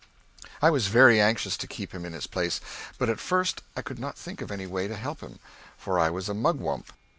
I was very anxious to keep him in his place, but at first I could not think of any way to help him, for I was a mugwump.